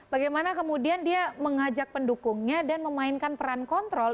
bagaimana kemudian dia mengajak pendukungnya dan memainkan peran kontrol